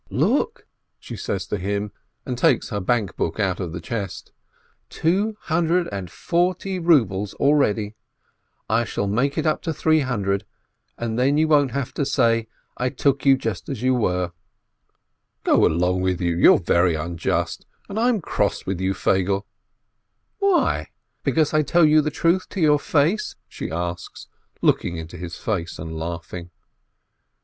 "Look," she says to him, and takes her bank book out of the chest, "two hundred and forty rubles already. I shall make it up to three hundred, and then you won't have to say, 'I took you just as you were/ *' "Go along with you, you are very unjust, and I'm cross with you, Feigele." "Why? Because I tell you the truth to your face?" she asks, looking into his face and laughing.